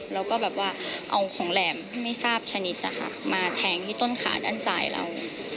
แล้วก็เอาของแหลมไม่ทราบชนิดมาแทงที่ต้นขาด้านซ้ายเรา